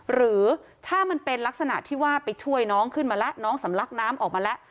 หรือถ้ามันเป็นลักษณะที่ว่าไปช่วยน้องขึ้นมาแล้วน้องสำลักน้ำออกมาแล้ว